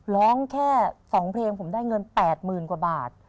ร้องแค่๒เพลงผมได้เงิน๘๐๐๐กว่าบาท